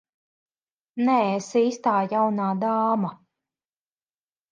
Neesi īstā jaunā dāma.